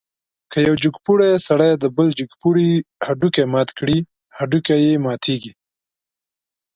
که یو جګپوړی سړی د بل جګپوړي هډوکی مات کړي، هډوکی یې ماتېږي.